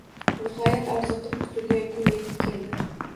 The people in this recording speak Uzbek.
Nihoyat, orziqib kutilgan kun etib keldi